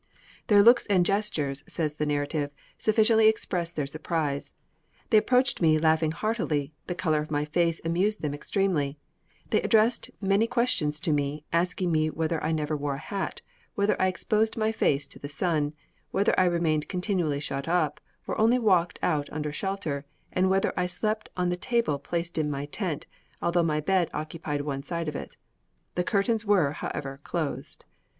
"Their looks and gestures," says the narrative, "sufficiently expressed their surprise. They approached me laughing heartily, the colour of my face amused them extremely. They addressed many questions to me, asking me whether I never wore a hat, whether I exposed my face to the sun, whether I remained continually shut up, or only walked out under shelter, and whether I slept upon the table placed in my tent, although my bed occupied one side of it; the curtains were, however, closed.